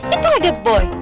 itu ada boy